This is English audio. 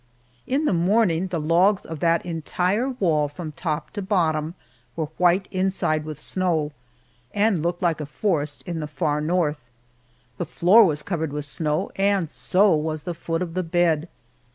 In the morning the logs of that entire wall from top to bottom, were white inside with snow, and looked like a forest in the far North. The floor was covered with snow, and so was the foot of the bed!